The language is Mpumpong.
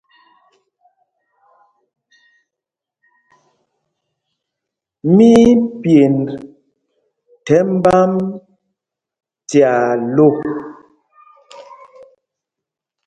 Mí í pyend thɛmb ām tyaa lô.